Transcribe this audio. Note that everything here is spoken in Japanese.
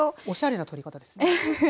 おしゃれな取り方ですね。